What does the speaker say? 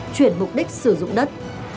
chuyển mục đích sử dụng đất